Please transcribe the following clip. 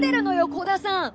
鼓田さん。